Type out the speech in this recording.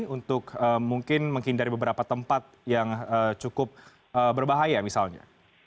untuk mungkin menghindari beberapa tempat yang cukup berbahaya misalnya